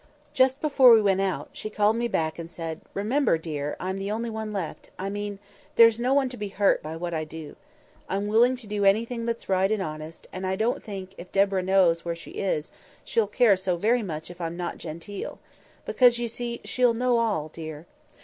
Just before we went out, she called me back and said, "Remember, dear, I'm the only one left—I mean, there's no one to be hurt by what I do. I'm willing to do anything that's right and honest; and I don't think, if Deborah knows where she is, she'll care so very much if I'm not genteel; because, you see, she'll know all, dear.